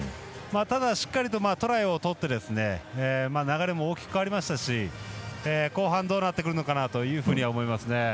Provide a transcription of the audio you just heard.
ただ、しっかりとトライを取って流れも大きく変わりましたし後半、どうなってくるのかなと思いますね。